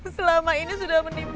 selama ini semua orang menipu mama